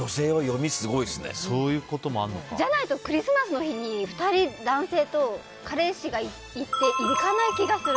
じゃないとクリスマスの日に２人、男性と彼氏がいて行かない気がする。